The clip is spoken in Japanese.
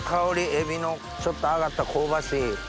海老のちょっと揚がった香ばしい。